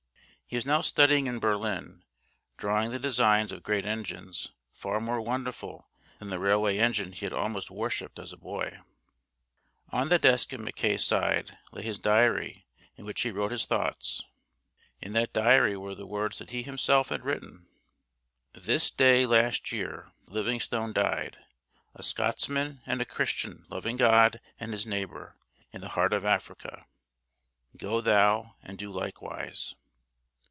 He was now studying in Berlin, drawing the designs of great engines far more wonderful than the railway engine he had almost worshipped as a boy. On the desk at Mackay's side lay his diary in which he wrote his thoughts. In that diary were the words that he himself had written: "This day last year Livingstone died a Scotsman and a Christian loving God and his neighbour, in the heart of Africa. 'Go thou and do likewise.'"